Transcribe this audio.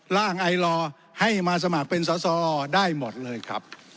ร่างไอลอให้มาสมัครเป็นส่อได้หมดเลยครับ